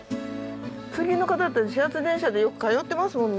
通勤の方だと始発電車でよく通ってますもんね。